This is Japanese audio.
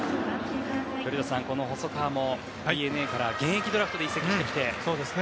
古田さん、細川もＤｅＮＡから現役ドラフトで移籍してきて。